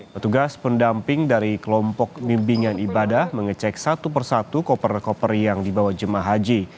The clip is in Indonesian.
petugas pendamping dari kelompok mimpingan ibadah mengecek satu persatu koper koper yang dibawa jemaah haji